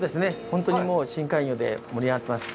本当に深海魚で盛り上がってます。